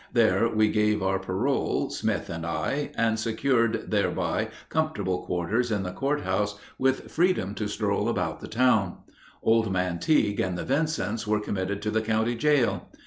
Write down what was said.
There we gave our parole, Smith and I, and secured thereby comfortable quarters in the court house with freedom to stroll about the town. Old Man Tigue and the Vincents were committed to the county jail.